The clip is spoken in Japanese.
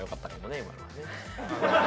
今のはね。